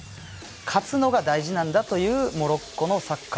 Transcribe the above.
勝つのが大事なんだというモロッコのサッカー。